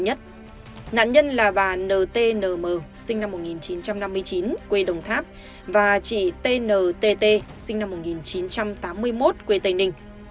nạn nhân là bà ntnm sinh năm một nghìn chín trăm năm mươi chín quê đồng tháp và chị tntt sinh năm một nghìn chín trăm tám mươi một quê tây ninh